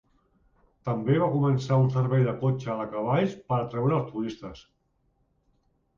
També va començar un servei de cotxe de cavalls per a atreure els turistes.